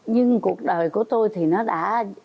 nhưng cuộc đời của tôi thì nó đã